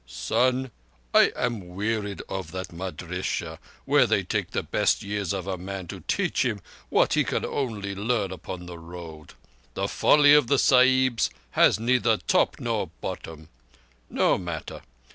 "Son, I am wearied of that madrissah, where they take the best years of a man to teach him what he can only learn upon the Road. The folly of the Sahibs has neither top nor bottom. No matter.